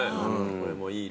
これもいい